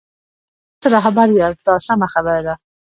تاسو رهبر یاست دا سمه خبره ده.